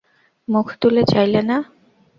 মুখ তুলে চাইলে না।